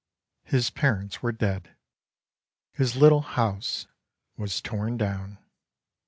His parents were dead. His little house was torn down.